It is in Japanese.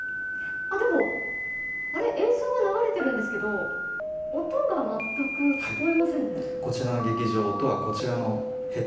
でも、映像は流れているんですけど音が全く聞こえませんね。